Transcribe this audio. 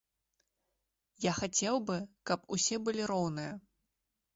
Я хацеў бы, каб усе былі роўныя.